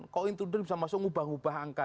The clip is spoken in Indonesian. kok intruder bisa masuk ngubah ngubah angka